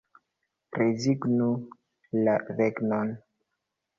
Rezignu la regnon.